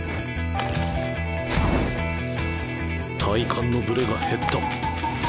体幹のブレが減った